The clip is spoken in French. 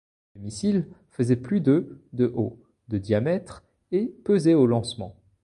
Le missile faisait plus de de haut, de diamètre et pesait au lancement.